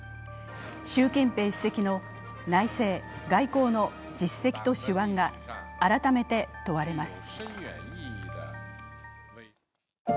習近平主席の内政・外交の実績と手腕が改めて問われます。